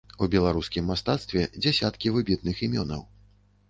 У беларускім мастацтве дзясяткі выбітных імёнаў.